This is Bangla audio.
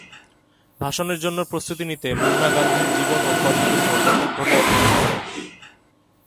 ভাষণের জন্য প্রস্তুতি নিতে মুন্না গান্ধীর জীবন ও কর্মের উপর ব্যাপকভাবে অধ্যয়ন করে।